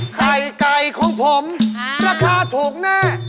ไก่ของผมราคาถูกแน่